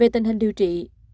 tình hình điều trị